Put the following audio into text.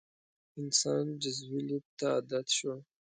انسان جزوي لید ته عادت شو.